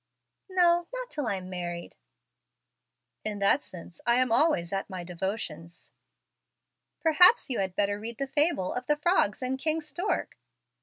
"No, not till I am married." "In that sense I am always at my devotions." "Perhaps you had better read the fable of the Frogs and King Stork."